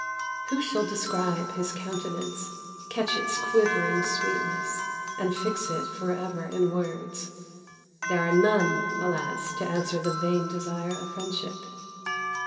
Who shall describe his countenance, catch its quivering sweetness, and fix it for ever in words? There are none, alas, to answer the vain desire of friendship.